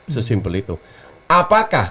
sesimpel itu apakah